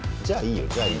じゃあいいよ。